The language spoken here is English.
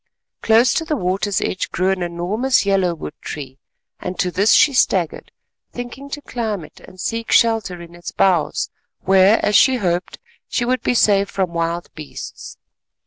Close to the water's edge grew an enormous yellow wood tree, and to this she staggered—thinking to climb it, and seek shelter in its boughs where, as she hoped, she would be safe from wild beasts.